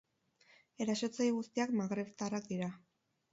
Erasotzaile guztiak magrebtarrak dira.